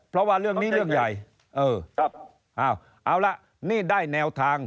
เพราะว่าเรื่องนี้เรื่องใหญ่เออครับเอาละนี่ได้แนวทาง